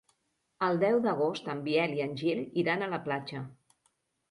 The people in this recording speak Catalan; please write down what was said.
El deu d'agost en Biel i en Gil iran a la platja.